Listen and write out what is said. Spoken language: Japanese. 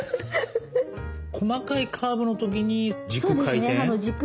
細かいカーブの時に軸回転？